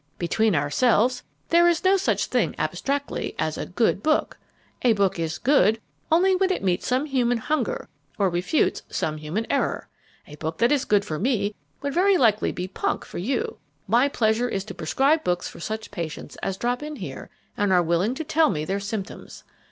Between ourselves, there is no such thing, abstractly, as a 'good' book. A book is 'good' only when it meets some human hunger or refutes some human error. A book that is good for me would very likely be punk for you. My pleasure is to prescribe books for such patients as drop in here and are willing to tell me their symptoms.